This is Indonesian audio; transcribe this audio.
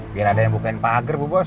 biar ada yang bukain pahager bu bos